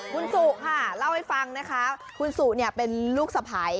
คุณสู่ค่ะเล่าให้ฟังนะคะคุณสู่เป็นลูกสภัย